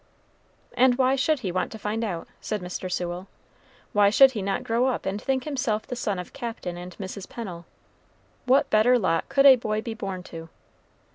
"And why should he want to find out?" said Mr. Sewell. "Why should he not grow up and think himself the son of Captain and Mrs. Pennel? What better lot could a boy be born to?"